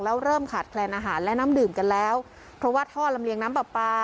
แล้วเริ่มขาดแคลนอาหารและน้ำดื่มกันแล้วเพราะว่าท่อลำเลียงน้ำปลาปลา